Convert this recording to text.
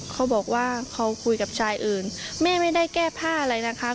เขาบอกว่าเขาคุยกับชายอื่นแม่ไม่ได้แก้ผ้าอะไรนะคะ